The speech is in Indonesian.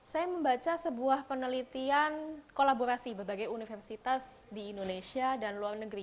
saya membaca sebuah penelitian kolaborasi berbagai universitas di indonesia dan luar negeri